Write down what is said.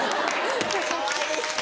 かわいい。